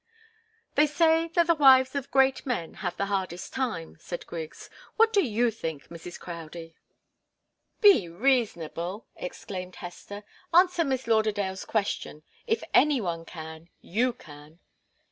"They say that the wives of great men have the hardest time," said Griggs. "What do you think, Mrs. Crowdie?" "Be reasonable!" exclaimed Hester. "Answer Miss Lauderdale's question if any one can, you can."